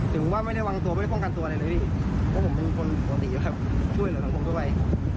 เพราะผมเป็นคนปกติแบบช่วยเหลือสังคมทั่วไป